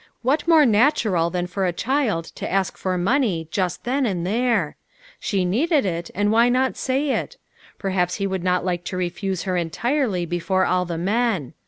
What more natural than for a child to ask for money just then and there? Sh> 122 LITTLE FISHEES: AND THEIK NETS. needed it, and why not say it? Perhaps he would not like to refuse her entirely before all the men.